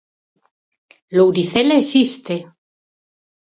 Lourizela existe.